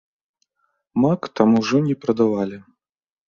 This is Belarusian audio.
Мак там ужо не прадавалі.